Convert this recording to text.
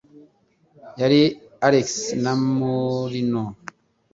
Yari Alex na Morino.